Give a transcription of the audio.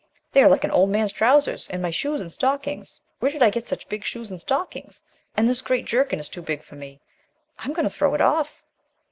They are like an old man's trousers. And my shoes and stockings! Where did I get such big shoes and stockings? And this great jerkin, it is too big for me. I am go ing to throw it off."